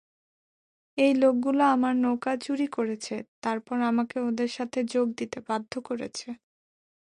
এই লোকগুলো আমার নৌকা চুরি করেছে তারপর আমাকে ওদের সাথে যোগ দিতে বাধ্য করেছে।